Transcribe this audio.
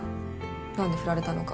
なんで振られたのか。